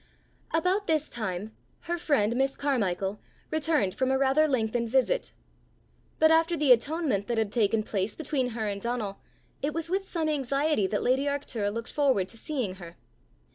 About this time her friend, Miss Carmichael, returned from a rather lengthened visit. But after the atonement that had taken place between her and Donal, it was with some anxiety that lady Arctura looked forward to seeing her.